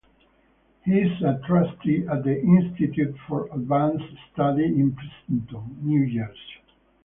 He is a trustee at the Institute for Advanced Study in Princeton, New Jersey.